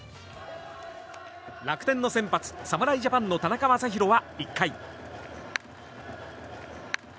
楽天の先発、侍ジャパンの田中将大は１回。